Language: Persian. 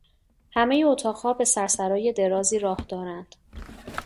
همهی اتاقها به سر سرای درازی راه دارند.